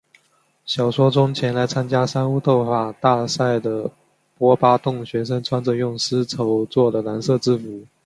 小说中前来参加三巫斗法大赛的波巴洞学生穿着用丝绸作的蓝色制服。